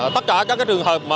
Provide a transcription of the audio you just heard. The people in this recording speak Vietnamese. tất cả các trường hợp